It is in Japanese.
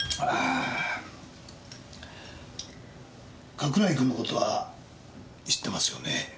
加倉井君の事は知ってますよね？